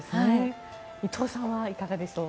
伊藤さんはいかがでしょう？